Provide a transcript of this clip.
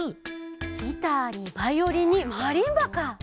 ギターにバイオリンにマリンバか！